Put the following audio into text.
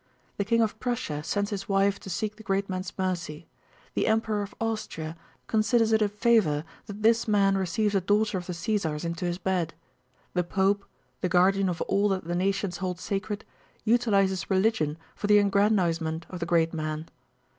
The King of Prussia sends his wife to seek the great man's mercy; the Emperor of Austria considers it a favor that this man receives a daughter of the Caesars into his bed; the Pope, the guardian of all that the nations hold sacred, utilizes religion for the aggrandizement of the great man.